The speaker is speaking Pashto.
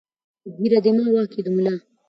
ـ ږيره دما، واک يې د ملا.